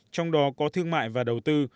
trong đó có thương mại và đầu tư